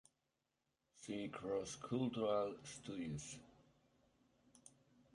See Cross-Cultural Studies.